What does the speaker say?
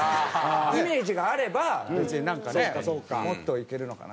イメージがあれば別になんかねもっといけるのかな。